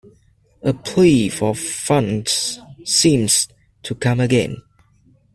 A plea for funds seems to come again.